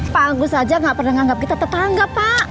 pelan pelan pelan pelan pak